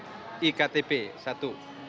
proyek iktp satu